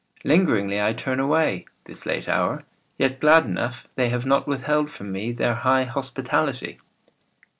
Lingeringly I turn away, This late hour, yet glad enough They have not withheld from me Their high hospitality.